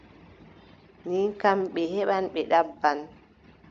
Ni kam, ɓe heɓɓan ɓe daɗɗa.